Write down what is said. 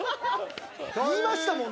言いましたもん